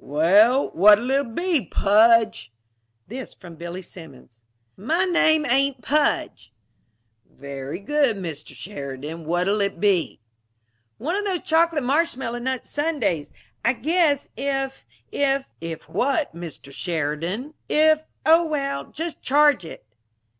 "Well, what'll it be, Pudge?" This from Billy Simmons. "My name ain't Pudge." "Very good, Mister Sheridan. What'll it be?" "One of those chocolate marshmallow nut sundaes, I guess, if if " "If what, Mister Sheridan?" " if, oh well, just charge it."